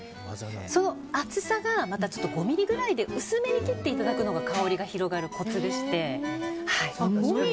その厚さを５ｍｍぐらいで薄めに切っていただくのが香りが広がるコツでして。